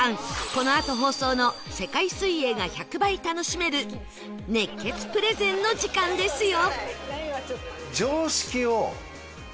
このあと放送の世界水泳が１００倍楽しめる熱血プレゼンの時間ですよ